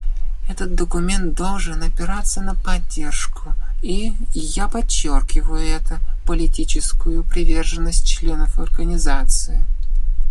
Этот документ должен опираться на поддержку и, я подчеркиваю это, политическую приверженность членов Организации.